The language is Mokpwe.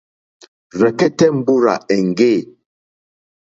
Rzɛ̀kɛ́tɛ́ mbúrzà èŋɡê.